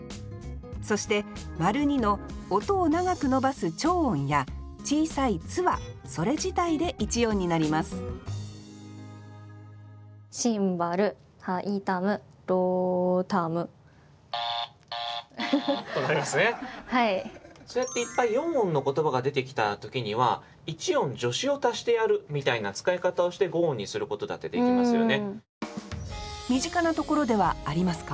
そして②の音を長く伸ばす長音や小さい「っ」はそれ自体で一音になりますそうやっていっぱい四音の言葉が出てきた時には一音助詞を足してやるみたいな使い方をして五音にすることだってできますよね。